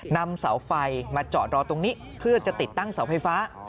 นำเสาไฟมาจอดรอตรงนี้เพื่อจะติดตั้งเสาไฟฟ้า